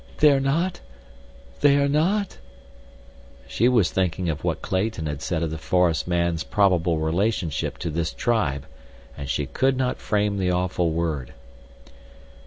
They are not—? They are not—?" She was thinking of what Clayton had said of the forest man's probable relationship to this tribe and she could not frame the awful word.